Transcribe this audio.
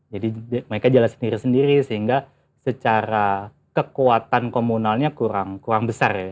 jadi mereka jalan sendiri sendiri sehingga secara kekuatan komunalnya kurang besar ya